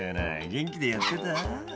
元気でやってた？